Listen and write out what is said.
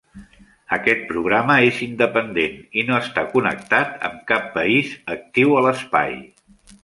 Aquest programa és independent i no està connectat amb cap país actiu a l'espai.